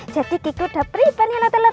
jadi kiku udah pribadi anak telepon